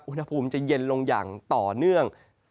อุณหภูมิจะเย็นลงอย่างต่อเนื่อง